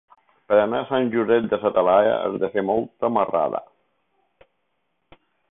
Per anar a Sant Josep de sa Talaia has de fer molta marrada.